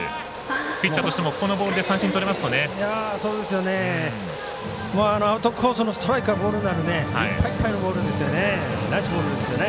ピッチャーとしてもこのボールで三振とれますとね。